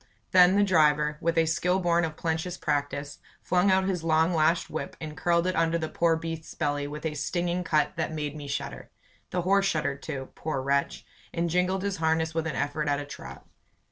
Then the driver, with a skill born of plenteous practice, flung out his long lashed whip and curled it under the poor beast's belly with a stinging cut that made me shudder. The horse shuddered too, poor wretch, and jingled his harness with an effort at a trot.